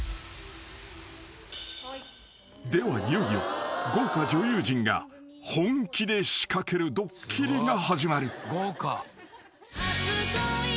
［ではいよいよ豪華女優陣が本気で仕掛けるドッキリが始まる］